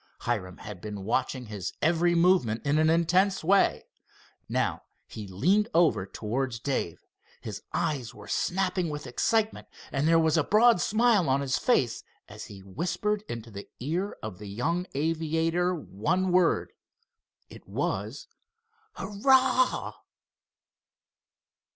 Hiram had been watching his every movement in an intense way. Now he leaned over towards Dave. His eyes were snapping with excitement and there was a broad smile on his face, as he whispered into the ear of the young aviator one word. It was: "Hurrah!"